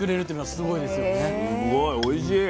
すごいおいしい。